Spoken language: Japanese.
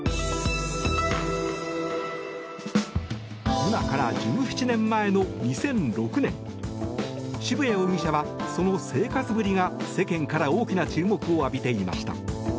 今から１７年前の２００６年渋谷容疑者は、その生活ぶりが世間から大きな注目を浴びていました。